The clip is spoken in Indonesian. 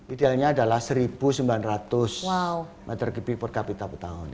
idealnya adalah satu sembilan ratus meter kubik per kapita per tahun